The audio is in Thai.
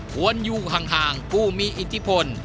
ควรอยู่ห่างผู้มีอิทธิพล